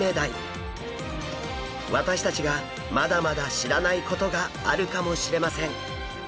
私たちがまだまだ知らないことがあるかもしれません。